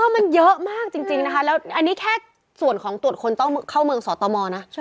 มันเยอะมากจริงนะคะแล้วอันนี้แค่ส่วนของตรวจคนต้องเข้าเมืองสตมนะ